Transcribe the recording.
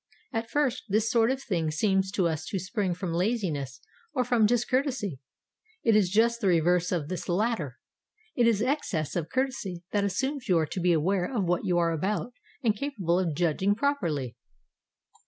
At first this sort of thing seems to us to spring from laziness or from discourtesy. It is just the reverse of this latter; it is excess of courtesy that assumes you to be aware of what you are about, and capable of judging properly.